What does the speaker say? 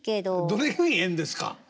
どれがええんですか？